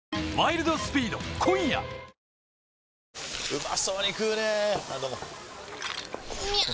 うまそうに食うねぇあどうもみゃう！！